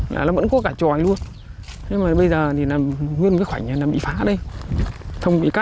nó vẫn có cả tròi luôn nhưng mà bây giờ thì là nguyên cái khoảnh này là bị phá đây thông bị cắt